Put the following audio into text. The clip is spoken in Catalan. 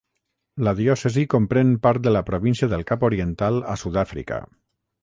La diòcesi comprèn part de la província del Cap Oriental a Sud-àfrica.